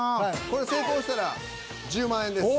これ成功したら１０万円です。